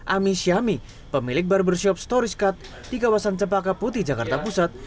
ami syami pemilik barbershop story cut di kawasan cepaka putih jakarta pusat